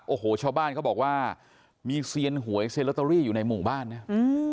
โอ้โหชาวบ้านเขาบอกว่ามีเซียนหวยเซียนลอตเตอรี่อยู่ในหมู่บ้านเนี่ย